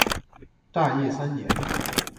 大业三年。